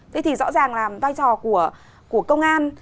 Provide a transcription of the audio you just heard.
thế thì rõ ràng là vai trò của công an